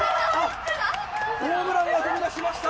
ホームランが飛び出しました！